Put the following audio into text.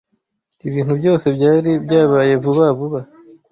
Ibintu byose byari byabaye vuba vuba.